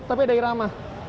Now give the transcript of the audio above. tapi ada irama